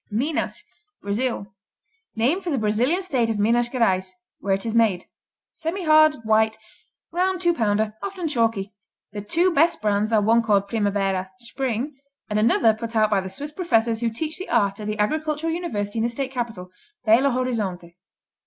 Minas Brazil Name for the Brazilian state of Minas Geraes, where it is made. Semihard; white; round two pounder; often chalky. The two best brands are one called Primavera, Spring, and another put out by the Swiss professors who teach the art at the Agricultural University in the State Capital, Bello Horizonte.